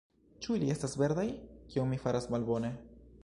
Ĉu ili estas verdaj? Kion mi faras malbone?